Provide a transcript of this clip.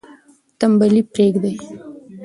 تنبلي پریږدئ.